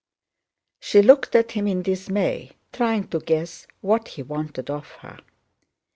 She looked at him in dismay trying to guess what he wanted of her.